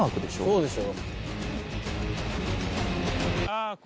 そうでしょ。